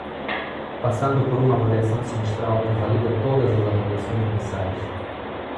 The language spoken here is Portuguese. Passando por uma avaliação semestral, que valida todas as avaliações mensais